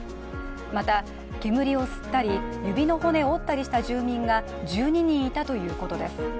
また、煙を吸ったり指の骨を折ったりした住民が１２人いたということです。